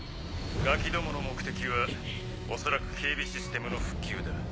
ガキどもの目的は恐らく警備システムの復旧だ。